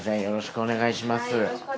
よろしくお願いします。